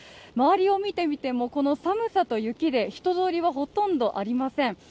周りを見てみても、この寒さと雪で人通りはほとんどありません。